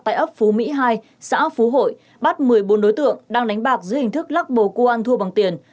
tại ấp phú mỹ hai xã phú hội bắt một mươi bốn đối tượng đang đánh bạc dưới hình thức lắc bầu cua ăn thua bằng tiền